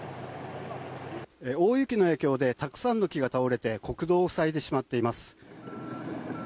大雪の影響でたくさんの木が倒れて国道を塞いでしまっています。